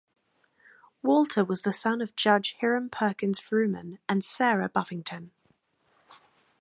Walter was the son of Judge Hiram Perkins Vrooman and Sarah Buffington.